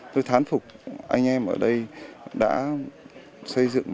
tôi thán phục anh em ở đây đã xây dựng